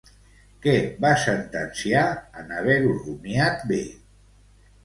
Què va sentenciar, en haver-ho rumiat bé?